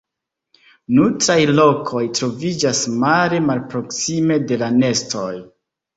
Nutraj lokoj troviĝas mare malproksime de la nestoj.